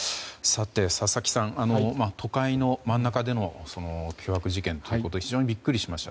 佐々木さん、都会の真ん中での凶悪事件ということで非常にビックリしました。